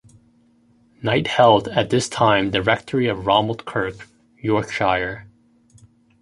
Knight held at this time the rectory of Romald Kirk, Yorkshire.